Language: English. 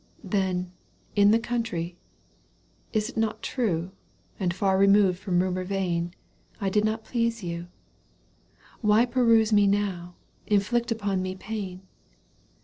249 XLIII. " Then, in the country, is't not trae ? And far removed from rumour vainj I did not please you. Why pursue Me now, inflict upon me pain